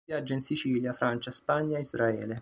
Viaggia in Sicilia, Francia, Spagna, Israele.